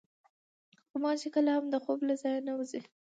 غوماشې کله هم د خوب له ځایه نه وځي.